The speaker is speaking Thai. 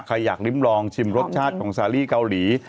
ใครอยากลิ้มลองชิมรสชาติของซารี่เกาหลี